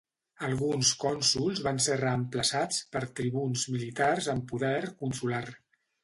Alguns cònsols van ser reemplaçats per tribuns militars amb poder consular.